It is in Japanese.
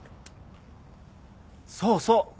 そうそう。